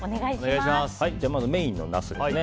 まずメインのナスですね。